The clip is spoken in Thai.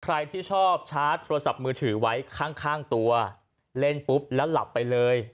ใครที่ชอบชาร์จโทรศัพท์มือถือไว้ข้างตัวเล่นปุ๊บแล้วหลับไปเลย